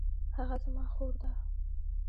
هغه زما خور ده